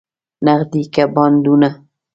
نغدې که بانډونه؟